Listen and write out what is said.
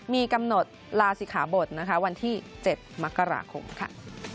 มีกำหนดลาศิขาบทนะคะวันที่๗มกราคมค่ะ